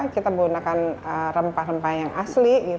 kita menggunakan rempah rempah yang asli